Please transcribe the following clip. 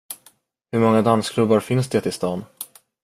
Hur många dansklubbar finns det i stan?